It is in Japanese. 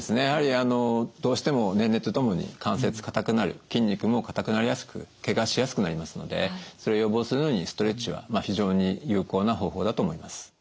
やはりどうしても年齢とともに関節かたくなる筋肉もかたくなりやすくけがしやすくなりますのでそれ予防するのにストレッチは非常に有効な方法だと思います。